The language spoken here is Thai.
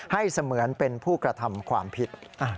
เสมือนเป็นผู้กระทำความผิด